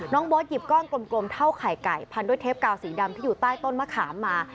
โบ๊ทหยิบก้อนกลมเท่าไข่ไก่พันด้วยเทปกาวสีดำที่อยู่ใต้ต้นมะขามมา